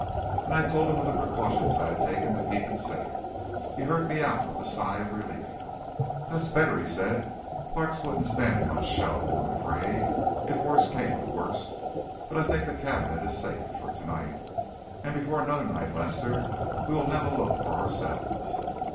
And I told him of the precautions I had taken to keep it safe. He heard me out with a sigh of relief. "That's better," he said. "Parks wouldn't stand much show, I'm afraid, if worst came to worst; but I think the cabinet is safe for to night. And before another night, Lester, we will have a look for ourselves."